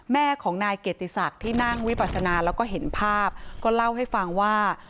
แม่ของนายเกียรติศักดิ์ที่นั่งวิปัสนาแล้วก็เห็นภาพก็เล่าให้ฟังว่า